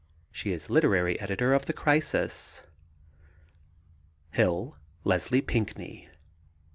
She is literary editor of The Crisis. HILL, LESLIE PINCKNEY.